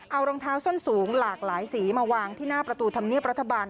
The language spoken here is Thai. เอารองเท้าส้นสูงหลากหลายสีมาวางที่หน้าประตูธรรมเนียบรัฐบาล